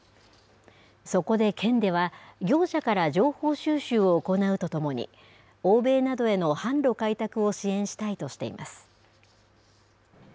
そこで県では、業者から情報収集を行うとともに、欧米などへの販路開拓を支援したいとしています。